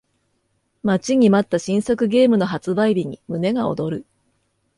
待ちに待った新作ゲームの発売日に胸が躍る